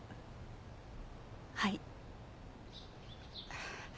はい。